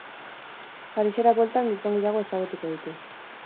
Parisera bueltan, gizon gehiago ezagutuko ditu.